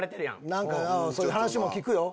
何かそういう話も聞くよ。